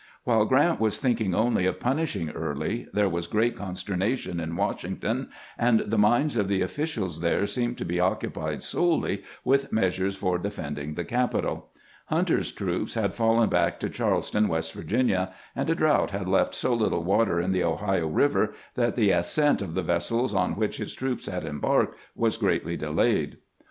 While Grant "was thinking only of punishing Early, there was great consternation in "Washington, and the minds of the offi cials there seemed to be occupied solely with measures for defending the capital. Hunter's troops had fallen back to Charleston, West Virginia, and a drought had left so little water in the Ohio River that the ascent of the vessels on which his troops had embarked was greatly delayed.